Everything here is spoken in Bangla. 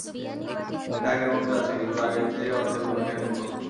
এটা আগের মতোই আছে, কিন্তু আগের চেয়ে অর্থের ভূমিকা এখন বড়।